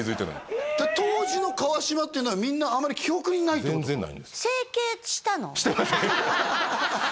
当時の川島っていうのはみんなあまり記憶にないとしてません